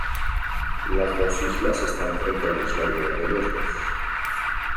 Las dos islas están frente a la isla griega de Lesbos.